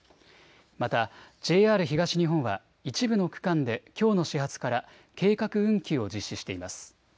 またＪＲ東日本は一部の区間できょうの始発から計画運休を実施しています。